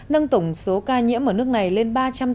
nâng tổng số ca nhiễm ở nước này lên ba trăm tám mươi chín